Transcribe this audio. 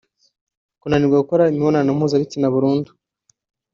kunanirwa gukora imibonano mpuzabitsina burundu